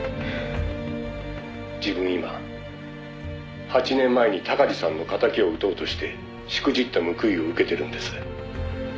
「自分今８年前に鷹児さんの敵を討とうとしてしくじった報いを受けてるんです」